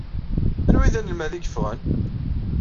Anwa ay d anelmad ay yeffɣen?